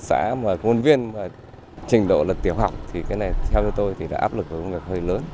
xã mà nguồn viên mà trình độ là tiểu học thì cái này theo tôi thì là áp lực của công an hơi lớn